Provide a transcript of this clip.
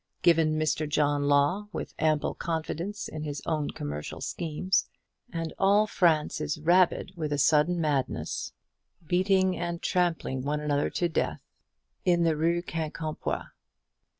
Given Mr. John Law, with ample confidence in his own commercial schemes, and all France is rabid with a sudden madness, beating and trampling one another to death in the Rue Quincampoix.